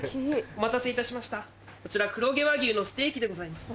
お待たせいたしましたこちら黒毛和牛のステーキでございます。